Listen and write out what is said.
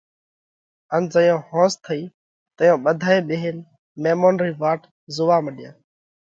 ان زئيون ۿونز ٿئِي تئيون ٻڌائي ٻيهينَ ميمونَ رئي واٽ زوئا مڏيا۔